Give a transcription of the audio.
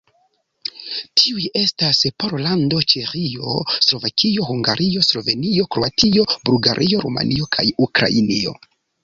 Tiuj estas Pollando, Ĉeĥio, Slovakio, Hungario, Slovenio, Kroatio, Bulgario, Rumanio kaj Ukrainio.